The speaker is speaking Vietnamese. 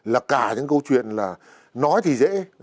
là cả những câu chuyện là nói thì dễ